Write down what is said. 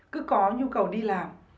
cứ có nhu cầu đi làm